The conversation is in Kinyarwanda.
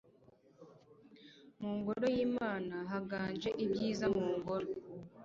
r/ mu ngoro y'imana haganje ibyiza, mu ngoro